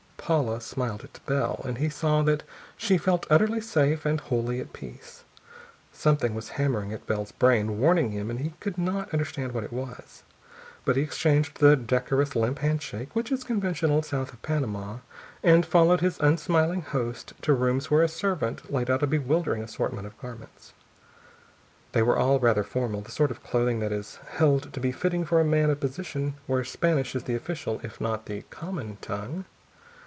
Paula smiled at Bell, and he saw that she felt utterly safe and wholly at peace. Something was hammering at Bell's brain, warning him, and he could not understand what it was. But he exchanged the decorous limp handshake which is conventional south of Panama, and followed his unsmiling host to rooms where a servant laid out a bewildering assortment of garments. They were all rather formal, the sort of clothing that is held to be fitting for a man of position where Spanish is the official if not the common tongue.